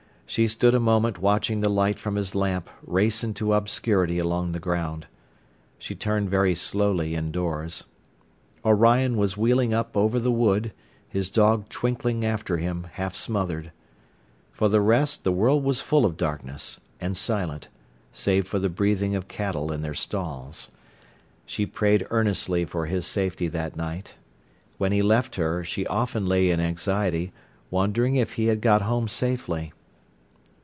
She stood a moment watching the light from his lamp race into obscurity along the ground. She turned very slowly indoors. Orion was wheeling up over the wood, his dog twinkling after him, half smothered. For the rest the world was full of darkness, and silent, save for the breathing of cattle in their stalls. She prayed earnestly for his safety that night. When he left her, she often lay in anxiety, wondering if he had got home safely.